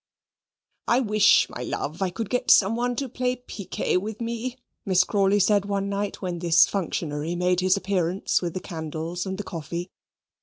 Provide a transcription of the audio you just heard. "I wish, my love, I could get somebody to play piquet with me," Miss Crawley said one night when this functionary made his appearance with the candles and the coffee.